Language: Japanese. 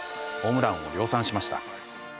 ホームランを量産しました。